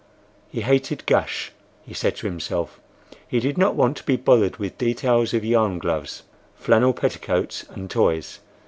He hated "gush," he said to himself; he did not want to be bothered with details of yarn gloves, flannel petticoats, and toys.